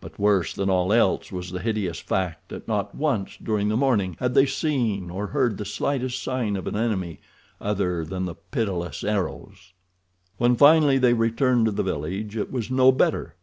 But worse than all else was the hideous fact that not once during the morning had they seen or heard the slightest sign of an enemy other than the pitiless arrows. When finally they returned to the village it was no better.